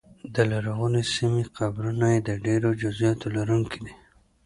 د لرغونې سیمې قبرونه یې د ډېرو جزییاتو لرونکي دي